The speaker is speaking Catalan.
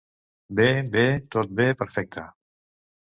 Bé, bé, tot bé, perfecte.